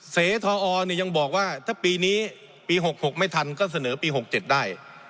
เสทอยังบอกว่าถ้าปีนี้ปี๖๖ไม่ทันก็เสนอปี๖๗ได้